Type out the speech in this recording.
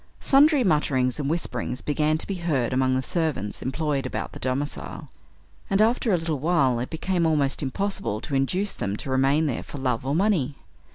Sundry mutterings and whisperings began to be heard among the servants employed about the domicile, and, after a little while it became almost impossible to induce them to remain there for love or money.